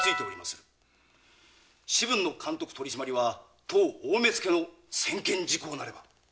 士分の監督取り締まりは当大目付の専権事項なれば。